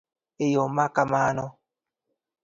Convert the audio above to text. E yo ma kamano